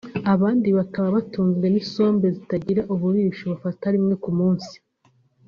abandi bakaba batunzwe n’isombe zitagira uburisho bafata rimwe ku munsi